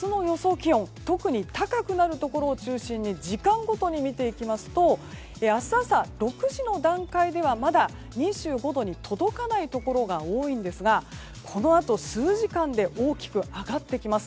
気温特に高くなるところを中心に時間ごとに見ていきますと明日朝６時の段階ではまだ２５度に届かないところが多いんですがこのあと、数時間で大きく上がってきます。